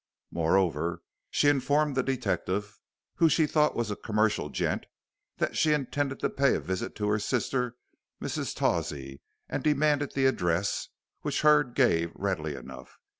Moreover, she informed the detective, who she thought was a commercial gent, that she intended to pay a visit to her sister, Mrs. Tawsey, and demanded the address, which Hurd gave readily enough.